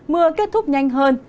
mưa kết thúc nhanh hơn